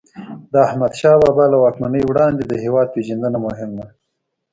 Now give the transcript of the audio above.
د احمدشاه بابا له واکمنۍ وړاندې د هیواد پېژندنه مهم ده.